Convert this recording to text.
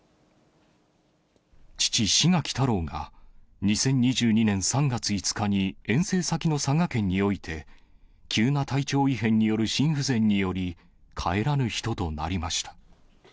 父、志垣太郎が２０２２年３月５日に遠征先の佐賀県において、急な体調異変による心不全により、帰らぬ人となりました。